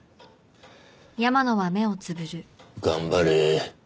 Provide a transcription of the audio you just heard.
頑張れ。